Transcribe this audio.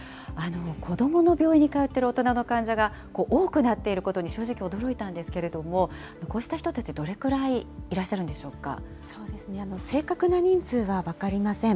子どもの病院に通っている大人の患者が多くなっていることに、正直驚いたんですけれども、こうした人たち、どれぐらいいらっし正確な人数は分かりません。